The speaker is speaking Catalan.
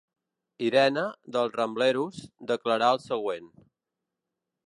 Irene, dels Rambleros, declarà el següent.